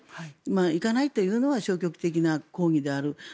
行かないというのは消極的な抗議である。